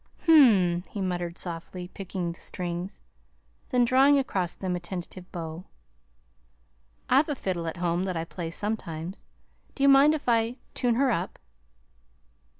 "Hm m," he murmured, softly picking the strings, then drawing across them a tentative bow. "I've a fiddle at home that I play sometimes. Do you mind if I tune her up?"